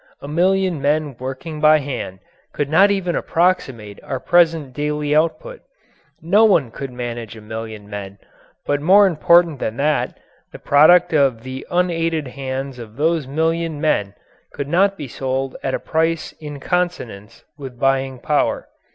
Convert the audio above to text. A million men working by hand could not even approximate our present daily output. No one could manage a million men. But more important than that, the product of the unaided hands of those million men could not be sold at a price in consonance with buying power.